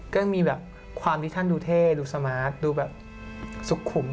ก็มีแบบความที่ท่านดูเท่ดูสมาร์ทดูแบบสุขุม